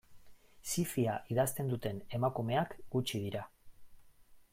Zi-fia idazten duten emakumeak gutxi dira.